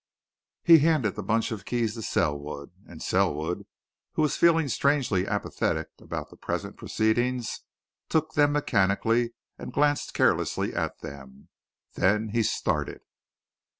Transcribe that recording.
He handed the bunch of keys to Selwood. And Selwood, who was feeling strangely apathetic about the present proceedings, took them mechanically and glanced carelessly at them. Then he started.